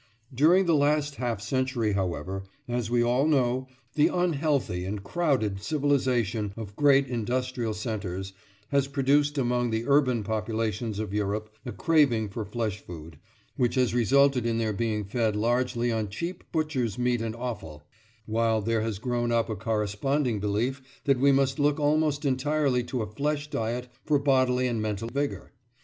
During the last half century, however, as we all know, the unhealthy and crowded civilisation of great industrial centres has produced among the urban populations of Europe a craving for flesh food, which has resulted in their being fed largely on cheap butchers' meat and offal; while there has grown up a corresponding belief that we must look almost entirely to a flesh diet for bodily and mental vigour.